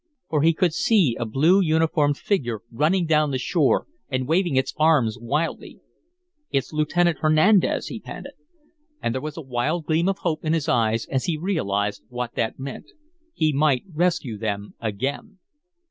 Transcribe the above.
For he could see a blue uniformed figure running down the shore and waving its arms wildly. "It's Lieutenant Hernandez!" he panted. And there was a wild gleam of hope in his eyes as he realized what that meant. He might rescue them again!